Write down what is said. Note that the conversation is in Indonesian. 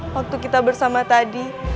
waktu kita bersama tadi